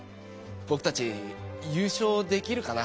ぼくたちゆうしょうできるかな？